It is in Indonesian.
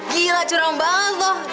gila curam banget loh